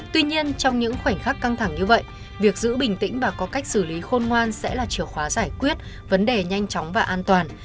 tuy nhiên trong những khoảnh khắc căng thẳng như vậy việc giữ bình tĩnh và có cách xử lý khôn ngoan sẽ là chìa khóa giải quyết vấn đề nhanh chóng và an toàn